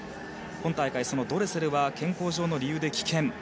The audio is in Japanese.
今大会、そのドレセルは健康上の理由で棄権。